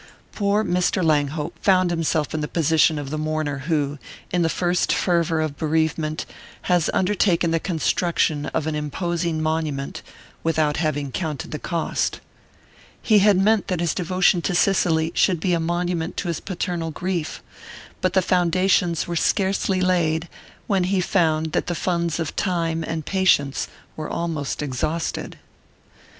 Poor Mr. Langhope found himself in the position of the mourner who, in the first fervour of bereavement, has undertaken the construction of an imposing monument without having counted the cost. He had meant that his devotion to Cicely should be a monument to his paternal grief; but the foundations were scarcely laid when he found that the funds of time and patience were almost exhausted.